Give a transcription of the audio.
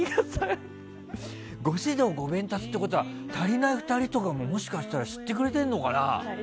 ご指導ご鞭撻ってことは足りない２人とかも知ってくれてるのかな？